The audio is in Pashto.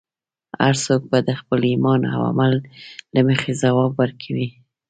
هر څوک به د خپل ایمان او عمل له مخې ځواب ورکوي.